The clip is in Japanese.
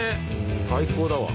最高だわ。